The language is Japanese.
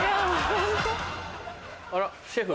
あらシェフ。